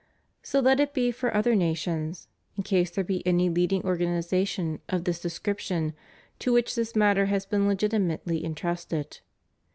So let it be for other nations, in case there be any leading organization of this description to which this matter has been legitimately entrusted.